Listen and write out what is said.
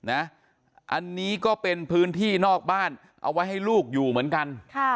อันนี้ก็เป็นพื้นที่นอกบ้านเอาไว้ให้ลูกอยู่เหมือนกัน